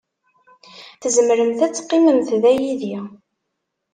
Tzemremt ad teqqimemt da yid-i